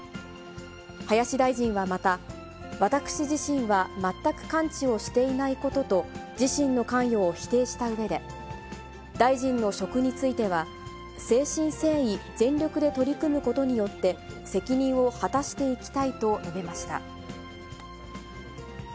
林大臣はまた、私自身は全く関知をしていないことと自身の関与を否定したうえで、大臣の職については、誠心誠意、全力で取り組むことによって、責任を果たしていきたいと述べました。